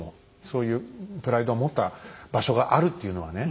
そういうプライドを持った場所があるっていうのはね。